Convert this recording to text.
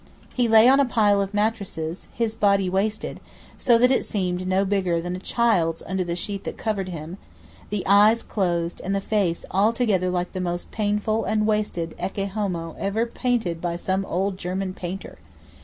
He lay on a pile of mattresses, his body wasted so that it seemed no bigger than a child's under the sheet that covered him, the eyes closed and the face altogether like the most painful and wasted Ecce Homo ever painted by some old German painter.